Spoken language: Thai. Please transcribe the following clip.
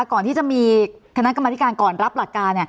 ก่อนที่จะมีคณะกรรมธิการก่อนรับหลักการ